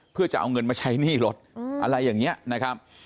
เพื่อจะเอาเงินมาใช้หนี้รถอะไรอย่างนี้นะครับ